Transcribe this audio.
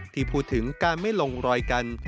ที่พูดถึงการไม่ลงรอยกัน